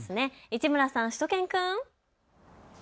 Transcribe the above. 市村さん、しゅと犬くん。